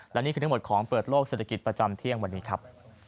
และนี่คือทั้งหมดของเปิดโลกเศรษฐกิจประจำเที่ยงวันนี้ครับ